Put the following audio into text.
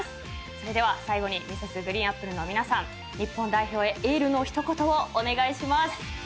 それでは最後にＭｒｓ．ＧＲＥＥＮＡＰＰＬＥの皆さん日本代表へエールの一言をお願いします。